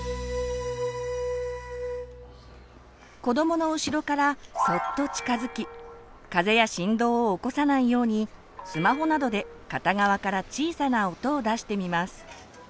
子どもの後ろからそっと近づき風や振動を起こさないようにスマホなどで片側から小さな音を出してみます。